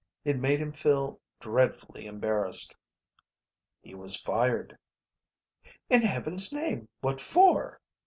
It made him feel dreadfully embarrassed. "He was fired." "In heaven's name what for?"